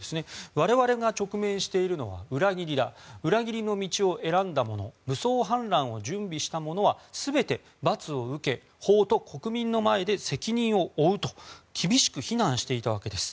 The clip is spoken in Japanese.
我々が直面しているのは裏切りだ裏切りの道を選んだ者武装反乱を準備した者は全て罰を受け法と国民の前で責任を負うと厳しく非難していたわけです。